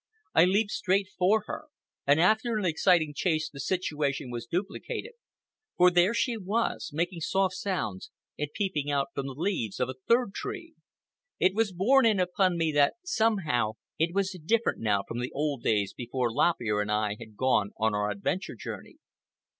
I leaped straight for her, and after an exciting chase the situation was duplicated, for there she was, making soft sounds and peeping out from the leaves of a third tree. It was borne in upon me that somehow it was different now from the old days before Lop Ear and I had gone on our adventure journey.